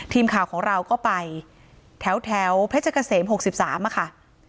ทีมข่าวของเราก็ไปแถวเพชรเกษม๖๓ค่ะ